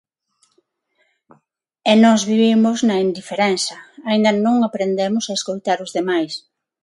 E nós vivimos na indiferenza: aínda non aprendemos a escoitar os demais.